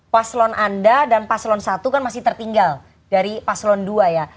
paslon anda dan paslon satu kan masih tertinggal dari paslon dua ya